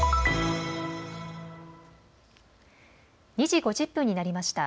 ２時５０分になりました。